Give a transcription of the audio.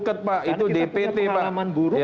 karena kita punya pengalaman buruk